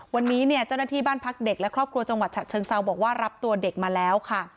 วันนี้เนี่ยเจ้าหน้าที่บ้านพักเด็กและครอบครัวจังหวัดฉะเชิงเซาบอกว่ารับตัวเด็กมาแล้วค่ะ